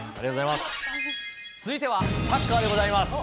続いてはサッカーでございます。